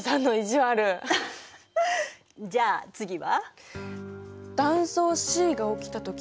はいじゃあ次は？